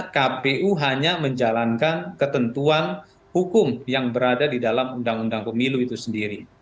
kpu hanya menjalankan ketentuan hukum yang berada di dalam undang undang pemilu itu sendiri